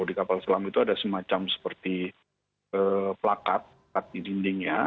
di kapal selam itu ada semacam seperti plakat di dinding ya